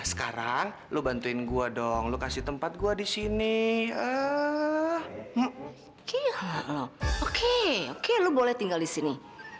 sekarang lu bantuin gua dong lu kasih tempat gua di sini ah oke oke oke lo boleh tinggal di sini